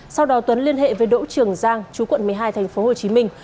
sau đó tuấn liên hệ với đỗ trường giang chú quận một mươi hai thành phố hồ chí minh